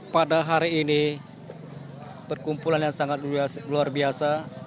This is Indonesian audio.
pada hari ini perkumpulan yang sangat luar biasa